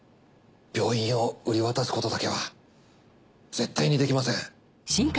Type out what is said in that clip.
病院を売り渡すことだけは絶対にできません。